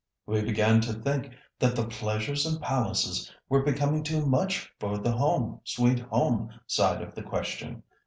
"We began to think that the 'pleasures and palaces' were becoming too much for the 'home, sweet home' side of the question.